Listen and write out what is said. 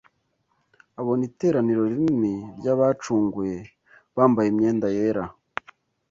abona iteraniro rinini ry’abacunguwe bambaye imyenda yera